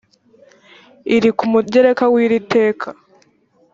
iri ku mugereka w iri teka